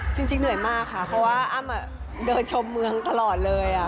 เหนื่อยมากค่ะเพราะว่าอ้ำเดินชมเมืองตลอดเลย